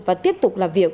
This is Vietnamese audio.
và tiếp tục làm việc